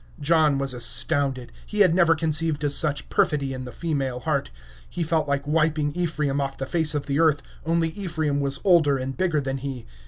John was astounded. He had never conceived of such perfidy in the female heart. He felt like wiping Ephraim off the face of the earth, only Ephraim was older and bigger than he.